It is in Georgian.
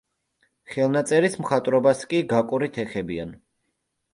ხელნაწერის მხატვრობას კი გაკვრით ეხებიან.